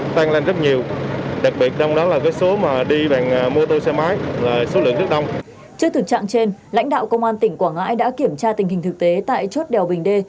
trước thực trạng trên lãnh đạo công an tỉnh quảng ngãi đã kiểm tra tình hình thực tế tại chốt đèo bình đê